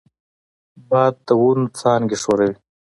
باد د ونو څانګې ښوروي